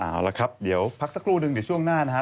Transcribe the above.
เอาละครับเดี๋ยวพักสักครู่หนึ่งเดี๋ยวช่วงหน้านะฮะ